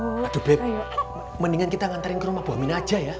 aduh be mendingan kita ngantarin ke rumah bomin aja ya